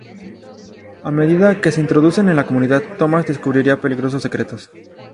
A medida que se introduce en la comunidad, Thomas descubrirá peligrosos secretos.